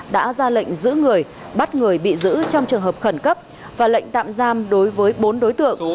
đã ra lệnh giữ người bắt người bị giữ trong trường hợp khẩn cấp và lệnh tạm giam đối với bốn đối tượng